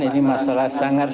ini masalah sangat